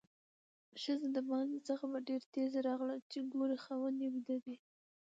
ښځه د باندې څخه په ډېره تیزۍ راغله چې ګوري خاوند یې ويده ده؛